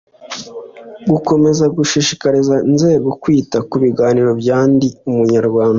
Gukomeza gushishikariza nzego kwita ku biganiro bya Ndi Umunyarwanda